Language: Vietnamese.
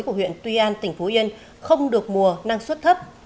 của huyện tuy an tỉnh phú yên không được mùa năng suất thấp